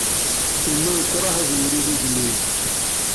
Yella yekṛeh ad yili d igellil.